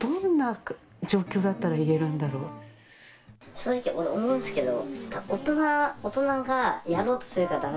正直俺思うんですけど。